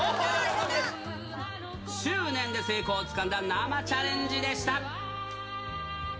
執念で成功をつかんだ生チャレンジでした。